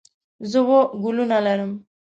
زه اووه ګلونه لرم.